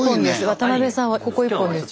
渡邉さんはここ一本です。